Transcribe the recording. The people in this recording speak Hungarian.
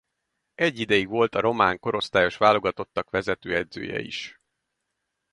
Egy ideig volt a román korosztályos válogatottak vezetőedzője is.